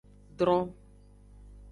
Dron.